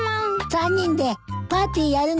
３人でパーティーやるのよ。